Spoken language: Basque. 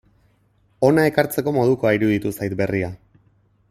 Hona ekartzeko modukoa iruditu zait berria.